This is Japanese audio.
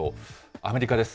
アメリカです。